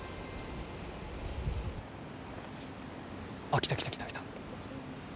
来た来た来た来た。